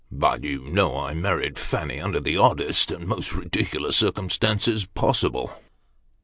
But, you know, I married Fanny under the oddest, and most ridiculous circumstances possible."